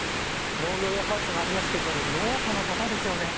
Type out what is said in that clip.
農業用ハウスがありますけれども農家の方ですよね。